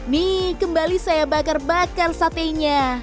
nih kembali saya bakar bakar satenya